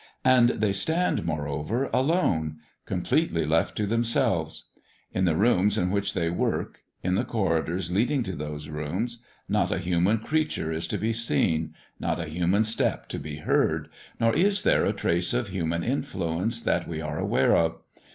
And they stand, moreover, alone, completely left to themselves; in the rooms in which they work, in the corridors leading to those rooms, not a human creature is to be seen, not a human step to be heard, nor is there a trace of human influence that we are aware of.